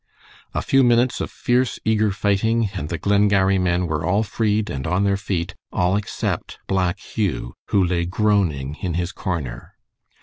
A few minutes of fierce, eager fighting, and the Glengarry men were all freed and on their feet, all except Black Hugh, who lay groaning in his corner.